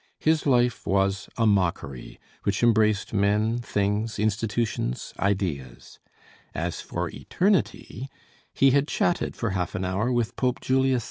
His life was a mockery, which embraced men, things, institutions, ideas. As for eternity, he had chatted for half an hour with Pope Julius II.